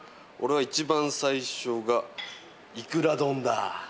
俺は一番最初が「いくら丼」だ。